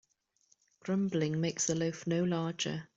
Grumbling makes the loaf no larger.